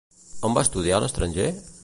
On va estudiar a l'estranger?